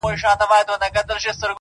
o خبري ډېري دي، سر ئې يو دئ!